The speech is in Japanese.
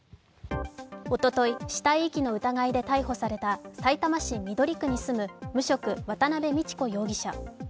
おととい死体遺棄の疑いで逮捕されさいたま市緑区に住む無職、渡辺美智子容疑者。